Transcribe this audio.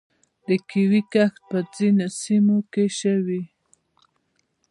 د کیوي کښت په ځینو سیمو کې شوی.